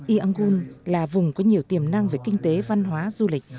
iangun là vùng có nhiều tiềm năng về kinh tế văn hóa du lịch